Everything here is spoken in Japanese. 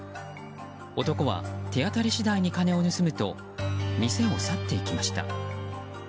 男は手当たり次第に金を盗むと店を去っていきました。